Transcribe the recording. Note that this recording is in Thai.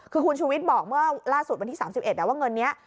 คือคุณชูวิทย์บอกเมื่อล่าสุดวันที่๓๑ว่าเงินนี้